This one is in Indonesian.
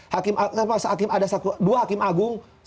hakim ada dua hakim agung